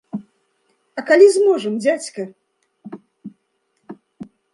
А калі зможам, дзядзька?